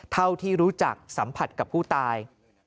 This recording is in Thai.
เท่าที่รู้จักสัมผัสกับผู้ตาย